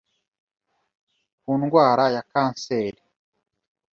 ku ndwara ya kanseri